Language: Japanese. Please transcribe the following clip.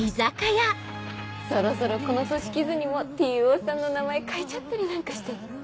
そろそろこの組織図にもＴ・Ｏさんの名前書いちゃったりなんかして。